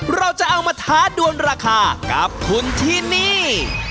เราจะเอามาท้าดวนราคากับคุณที่นี่